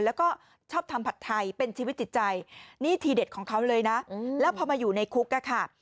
แล้วก็ชอบทำผัดไทยเป็นชีวิตจิตใจนี่ทีเด็ดของเขาเลยนะแล้วพอมาอยู่ในคุกอะค่ะ